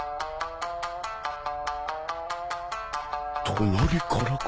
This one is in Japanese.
隣からか？